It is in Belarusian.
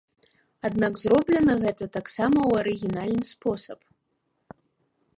Аднак зроблена гэта таксама ў арыгінальны спосаб.